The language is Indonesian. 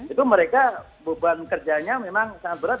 itu mereka beban kerjanya memang sangat berat